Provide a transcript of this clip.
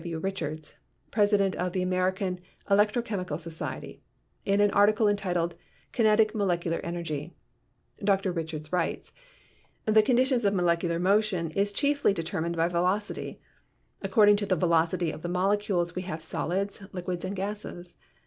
W. Richards (president of the American Electro Chemical Society) in an article entitled 'Kinetic Molecular Energy.' Dr. Richards writes : "The conditions of molecular motion is chiefly determined by velocity. According to the velocity of the molecules we have solids, liquids and gases.